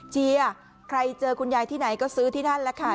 เชียร์ใครเจอคุณยายที่ไหนก็ซื้อที่นั่นแหละค่ะ